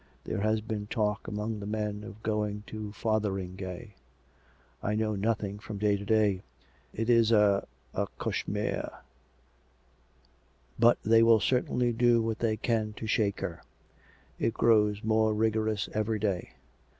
There has been talk among the men of going to Fotheringay. I know noth ing, from day to day. It is a ... a cauchemar. But they will certainly do what they can to shake her. It grows more rigorous every day.